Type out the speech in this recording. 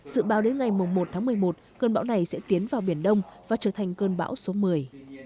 dự báo đến ngày một tháng một mươi một cơn bão này sẽ tiến vào biển đông và trở thành cơn bão số một mươi